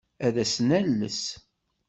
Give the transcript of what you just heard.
Ad as-nales.